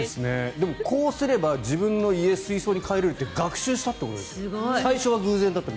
でも、こうすれば自分の家、水槽に帰れるって学習したんですね。